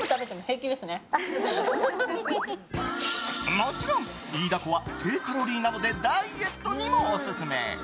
もちろんイイダコは低カロリーなのでダイエットにもオススメ。